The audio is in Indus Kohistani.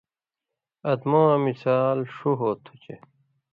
ادمہۡ واں مِثال ݜُو ہو تُھو چے